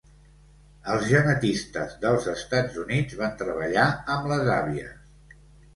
Els genetistes dels Estats Units van treballar amb les Àvies.